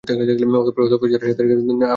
অতঃপর, যার সাথে চান আপনার মেয়ের বিয়ে দিন।